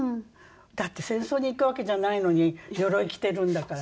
だって戦争に行くわけじゃないのに鎧着てるんだから。